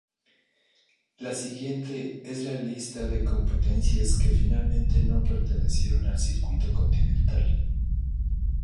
La siguiente es la lista de competencias que finalmente no pertenecieron al Circuito Continental.